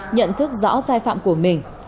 nhận thức rõ sai phạm của mình